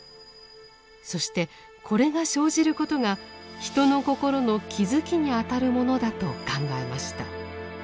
そしてこれが生じることが人の心の「気づき」にあたるものだと考えました。